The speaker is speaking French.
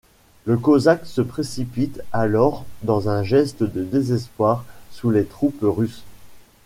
Les Cosaques se précipitent alors dans un geste de désespoir sur les troupes russes.